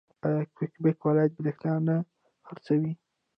آیا کیوبیک ولایت بریښنا نه خرڅوي؟